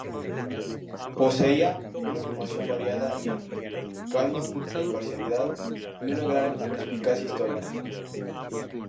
Poseía una formación variada y amplia, calma e imparcialidad, y una gran perspicacia histórica.